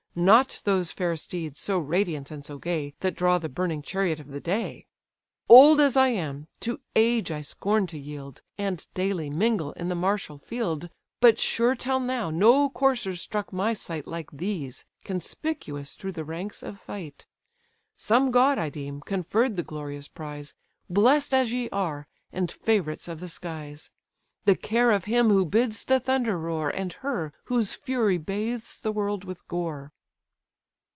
Not those fair steeds, so radiant and so gay, That draw the burning chariot of the day. Old as I am, to age I scorn to yield, And daily mingle in the martial field; But sure till now no coursers struck my sight Like these, conspicuous through the ranks of fight. Some god, I deem, conferred the glorious prize, Bless'd as ye are, and favourites of the skies; The care of him who bids the thunder roar, And her, whose fury bathes the world with gore."